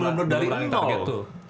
belum belum dari nol